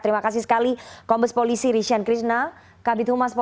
terima kasih sekali kombes polisi rishan krishna kabit humas polri